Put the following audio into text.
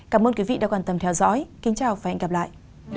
cảm ơn quý vị đã quan tâm theo dõi kính chào và hẹn gặp lại